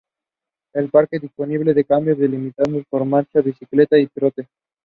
Third single, Do You Know What I'm Saying?